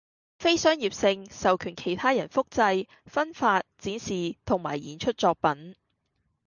非商業性，授權其他人複製，分發，展示同埋演出作品